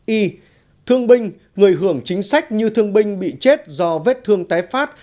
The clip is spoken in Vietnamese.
y thương binh người hưởng chính sách như thương binh bị chết do vết thương tái phát